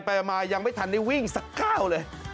ไปมายังไม่ทันได้วิ่งสักก้าวเลย